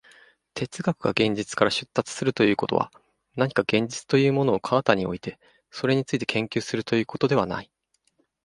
哲学が現実から出立するということは、何か現実というものを彼方に置いて、それについて研究するということではない。